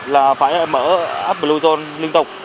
là phải mở bluezone